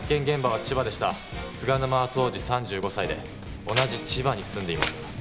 現場は千葉でした菅沼は当時３５歳で同じ千葉に住んでいました